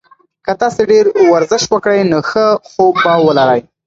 که تاسي ډېر ورزش وکړئ نو ښه خوب به ولرئ.